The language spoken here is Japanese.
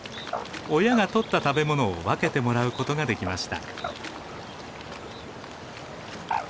親が捕った食べ物を分けてもらうことができました。